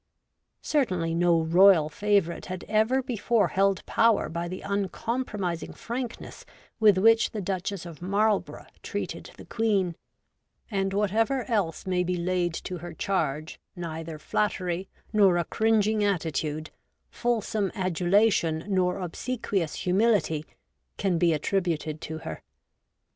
Certainly no royal favourite had ever before held power by the uncompromising frankness with which the Duchess of Marlborough treated the Queen ; and whatever else may be laid to her charge, neither flattery nor a cringing attitude, fulsome adulation nor obsequious humility, can be attributed to her.